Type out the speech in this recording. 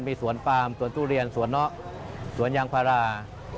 มีสวนปามสวนทุเรียนสวนเนาะสวนยางพารา